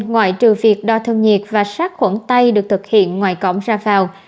ngoại trừ việc đo thân nhiệt và sát khuẩn tay được thực hiện ngoài cổng ra vào